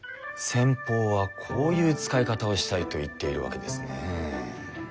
先方はこういう使い方をしたいと言っているわけですね。